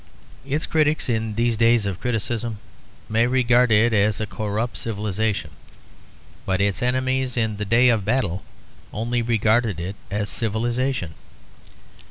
Its critics in these days of criticism may regard it as a corrupt civilisation. But its enemies in the day of battle only regarded it as civilisation.